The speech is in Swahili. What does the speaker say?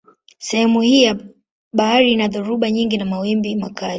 Sehemu hii ya bahari ina dhoruba nyingi na mawimbi makali.